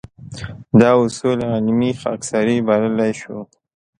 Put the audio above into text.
دا اصول علمي خاکساري بللی شو.